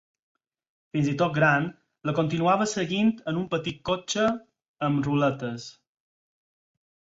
Fins i tot gran, la continuava seguint en un petit cotxe amb ruletes.